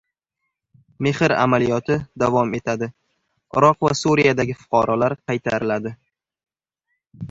"Mehr" amaliyoti davom etadi: Iroq va Suriyadagi fuqarolar qaytariladi